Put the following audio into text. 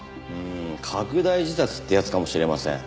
うん拡大自殺ってやつかもしれません。